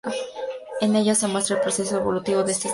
En ella se muestra el proceso evolutivo de esta especie.